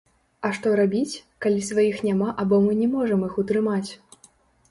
А што рабіць, калі сваіх няма або мы не можам іх утрымаць?